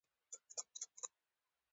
روسي متل وایي بې ستونزې ژوند مړی ژوند دی.